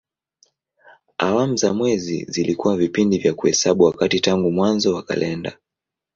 Awamu za mwezi zilikuwa vipindi vya kuhesabu wakati tangu mwanzo wa kalenda.